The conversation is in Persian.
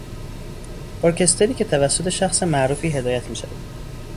ارکستری که توسط شخص معروفی هدایت میشود